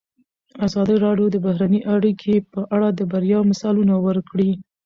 ازادي راډیو د بهرنۍ اړیکې په اړه د بریاوو مثالونه ورکړي.